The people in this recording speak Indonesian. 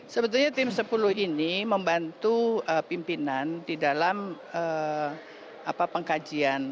sebetulnya tim sepuluh ini membantu pimpinan di dalam pengkajian